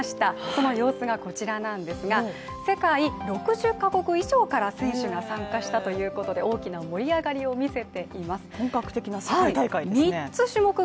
その様子がこちらなんですが、世界６０カ国以上から選手が参加したということで大きな盛り上がりを見せています。